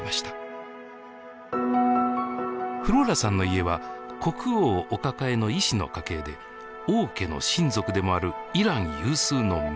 フローラさんの家は国王お抱えの医師の家系で王家の親族でもあるイラン有数の名家。